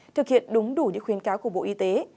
thực hiện đúng đủ những khuyên cáo của bộ y tế